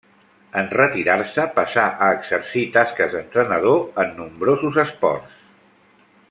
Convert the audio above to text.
En retirar-se passà a exercir tasques d'entrenador en nombrosos esports.